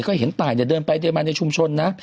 ก็เห็นตายเดินไปมาในชุมชนนะ